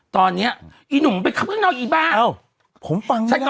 ตอนเนี้ยอีหนุ่มไปขับข้างนอกอีบ้าเอ้าผมฟังไม่ได้เหรอ